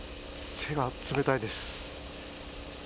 手が冷たいです。